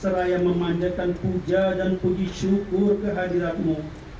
seraya memanjakan puja dan puji syukur kehadiratmu